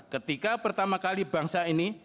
ketika pertama kali bangsa ini